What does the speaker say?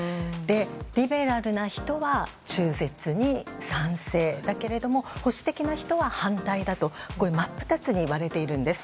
リベラルな人は中絶に賛成だけども保守的な人は反対だと真っ二つに割れているんです。